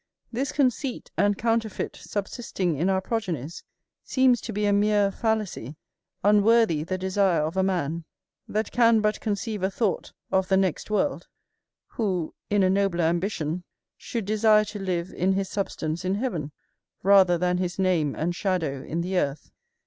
This conceit and counterfeit subsisting in our progenies seems to be a mere fallacy, unworthy the desire of a man, that can but conceive a thought of the next world; who, in a nobler ambition, should desire to live in his substance in heaven, rather than his name and shadow in the earth.